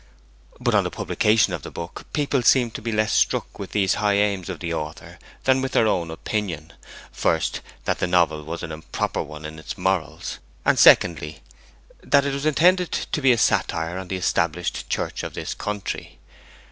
But, on the publication of the book people seemed to be less struck with these high aims of the author than with their own opinion, first, that the novel was an 'improper' one in its morals, and, secondly, that it was intended to be a satire on the Established Church of this country.